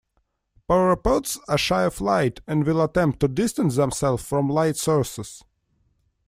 Pauropods are shy of light, and will attempt to distance themselves from light sources.